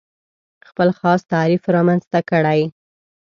خپل خاص تعریف رامنځته کړي.